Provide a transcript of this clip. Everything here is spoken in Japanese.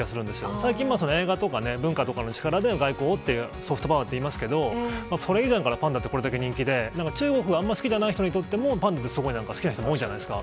最近は映画とかね、文化とかの力での外交っていう、ソフトパワーっていいますけど、それ以前からパンダってこれだけ人気で、なんか、中国があんま好きじゃない人でも、パンダってすごい好きな人多いじゃないですか。